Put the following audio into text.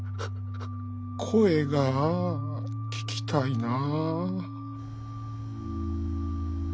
君の声が聞きたいなあ。